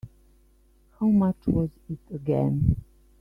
How much was it again?